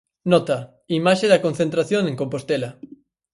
Nota: imaxe da concentración en Compostela.